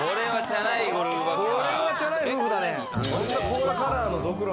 これはチャラい夫婦だね。